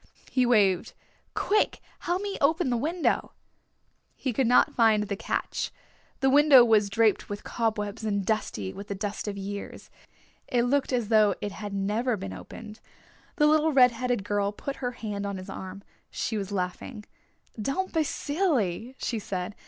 He waved. "Quick, help me open the window." He could not find the catch. The window was draped with cobwebs and dusty with the dust of years. It looked as though it had never been opened. The little red headed girl put her hand on his arm. She was laughing. "Don't be silly," she said.